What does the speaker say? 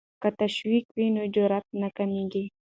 که تشویق وي نو جرات نه کمېږي.